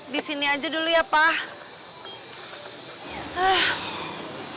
di sini aja dulu ya pak